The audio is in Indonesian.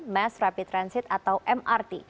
mass rapid transit atau mrt